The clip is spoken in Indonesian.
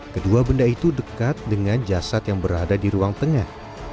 kedua benda itu dekat dengan jasad yang berada di ruang tengah